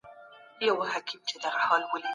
په کور کې د مچانو مخه ونیسئ.